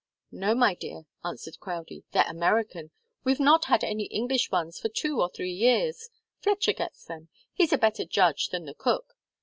"No, my dear," answered Crowdie. "They're American. We've not had any English ones for two or three years. Fletcher gets them. He's a better judge than the cook.